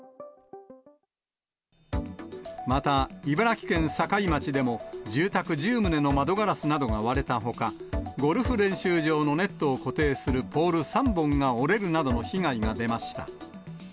また、茨城県境町でも、住宅１０棟の窓ガラスなどが割れたほか、ゴルフ練習場のネットを固定するポール３本が折れるなどの被害が出ました。